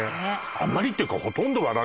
あんまりっていうか